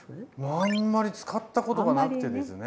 あんまり使ったことがなくてですね。